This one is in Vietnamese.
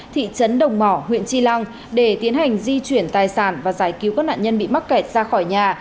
thị trấn đồng mỏ huyện tri lăng để tiến hành di chuyển tài sản và giải cứu các nạn nhân bị mắc kẹt ra khỏi nhà